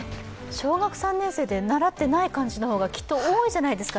小学３年生で習っていない漢字の方が多いじゃないですか。